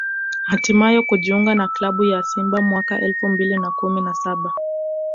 hatimaye kujiunga na klabu ya Simba mwaka elfu mbili na kumi na saba